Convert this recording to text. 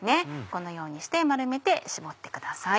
このようにして丸めて絞ってください。